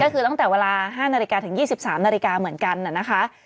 ก็คือตั้งแต่เวลา๕นาฬิกาถึง๒๓นาฬิกาเหมือนกันนะคะ